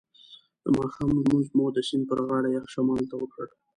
د ماښام لمونځ مو د سیند پر غاړه یخ شمال ته وکړ.